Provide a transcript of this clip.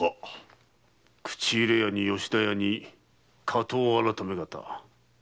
口入れ屋に吉田屋に火盗改方。